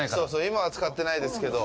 今は使ってないですけど。